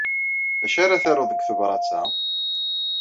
D acu ara taruḍ deg tebṛat-a?